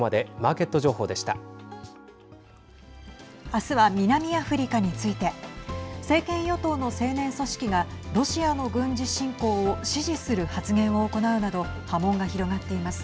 明日は南アフリカについて政権与党の青年組織がロシアの軍事侵攻を支持する発言を行うなど波紋が広がっています。